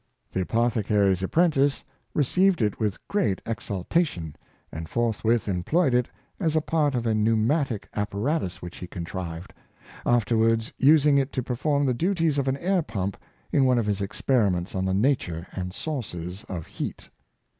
The apothecary's apprentice received it with great exulta tion, and forthwith employed it as a part of a pneumatic apparatus which he contrived, afterwards using it to perform the duties of an air pump in one of his experi ments on the nature and sources of heat.